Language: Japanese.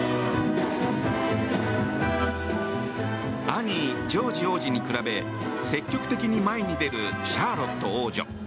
兄ジョージ王子に比べ積極的に前に出るシャーロット王女。